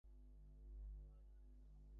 ছেলে আর কিছু বলিল না।